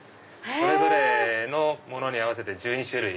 それぞれのものに合わせて１２種類